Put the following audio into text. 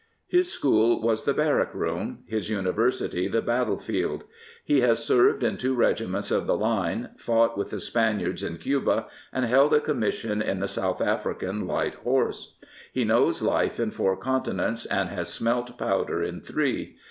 His school was the barrack room; his university the battle field. He has served in two regiments of the line, fought with the Spaniards in Cuba, and held a commission in the South African Light Horse. He knows life in four continents, and has smelt powder in three.